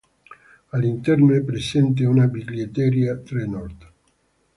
All'interno è presente una biglietteria Trenord.